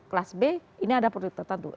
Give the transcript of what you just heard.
kelas b ini ada produk tertentu